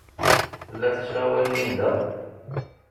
La tettɣawal Linda?